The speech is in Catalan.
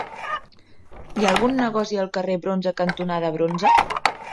Hi ha algun negoci al carrer Bronze cantonada Bronze?